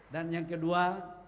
dan yang kedua